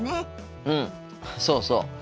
うんそうそう。